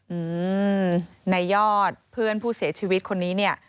อืมในยอดเพื่อนผู้เสียชีวิตคนนี้เนี่ย